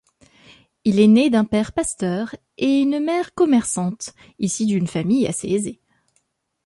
Il est né d'un père pasteur et une mère commerçante; Issu d'une famille assez aisée.